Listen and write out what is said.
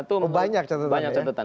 oh banyak catatan ya